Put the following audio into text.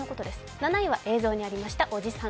７位は映像にありましたおじさん